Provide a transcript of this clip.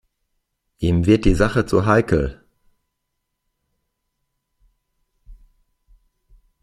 Ihm wird die Sache zu heikel.